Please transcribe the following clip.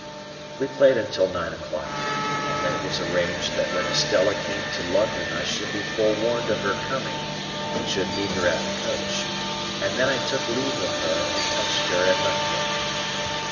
We played until nine o'clock, and then it was arranged that when Estella came to London I should be forewarned of her coming and should meet her at the coach; and then I took leave of her, and touched her and left her.